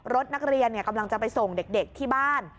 รถนักเรียนกำลังจะไปส่งเด็กที่บ้าน